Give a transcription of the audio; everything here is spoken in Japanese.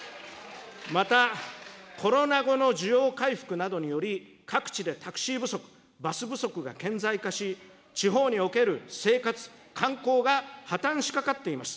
また、コロナ後の需要回復などにより、各地でタクシー不足、バス不足が顕在化し、地方における生活、観光が破綻しかかっています。